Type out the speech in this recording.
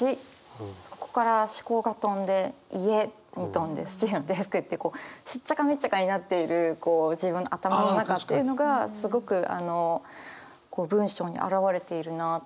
そこから思考が飛んで家に飛んでスチールのデスク行ってこうしっちゃかめっちゃかになっているこう自分の頭の中っていうのがすごくあの文章に表われているなって。